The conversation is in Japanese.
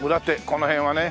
この辺はね